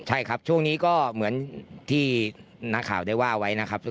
ใช่ครับช่วงนี้ก็เหมือนที่นักข่าวได้ว่าไว้นะครับ